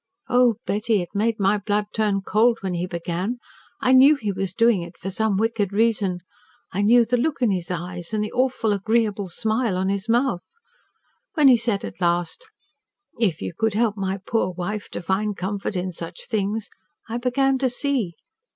Oh, Betty! It made my blood turn cold when he began. I knew he was doing it for some wicked reason. I knew the look in his eyes and the awful, agreeable smile on his mouth. When he said at last, 'If you could help my poor wife to find comfort in such things,' I began to see.